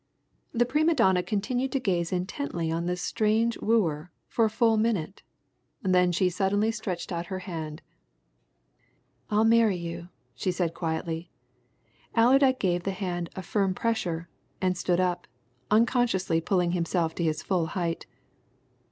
The prima donna continued to gaze intently on this strange wooer for a full minute. Then she suddenly stretched out her hand. "I'll marry you!" she said quietly. Allerdyke gave the hand a firm pressure, and stood up, unconsciously pulling himself to his full height.